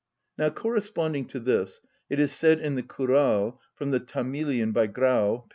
Now, corresponding to this, it is said in the "Kural," from the Tamilian by Graul, p.